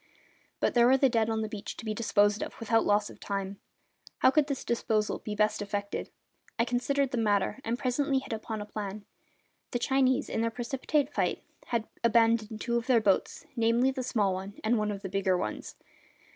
But there were the dead on the beach to be disposed of, without loss of time. How could this disposal be best effected? I considered the matter, and presently hit upon a plan. The Chinese, in their precipitate flight, had abandoned two of their boats, namely the small one and one of the bigger ones.